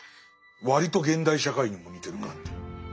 割と現代社会にも似てる感じ。